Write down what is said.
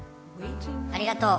ありがとう。